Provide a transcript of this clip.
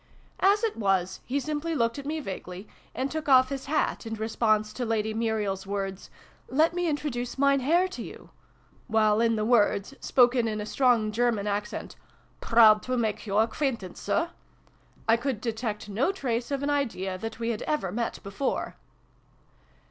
As it was, he simply looked at me vaguely, and took off his hat in response to Lady Muriel's words " Let me introduce Mein Herr to you "; while in the words, spoken in a strong German accent, "proud to make your acquaintance, Sir !" I could detect no trace of an idea that we had ever met before.